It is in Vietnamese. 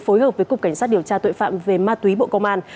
phối hợp với cục cảnh sát điều tra tội phạm về ma túy bộ công an